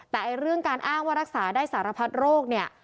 แต่เรื่องการอ้างว่ารักษาได้สารพัดโรคเนี่ย